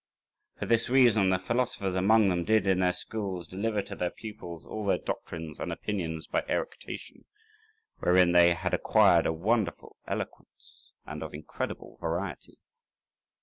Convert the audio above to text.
For this reason the philosophers among them did in their schools deliver to their pupils all their doctrines and opinions by eructation, wherein they had acquired a wonderful eloquence, and of incredible variety.